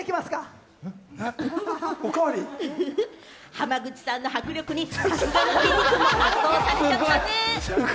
浜口さんの迫力に、さすがの、きんに君も圧倒されちゃったね。